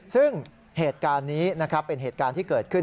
ซึ่งเหตุการณ์นี้นะครับเป็นเหตุการณ์ที่เกิดขึ้น